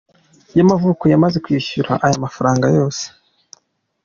yamavuko yamaze kwishyura aya mafaranga yose.